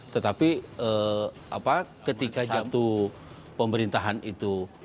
tetapi ketika jatuh pemerintahan itu